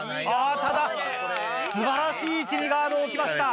ただ素晴らしい位置にガードを置きました。